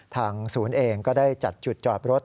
ทางศูนย์เองก็ได้จัดจุดจอดรถ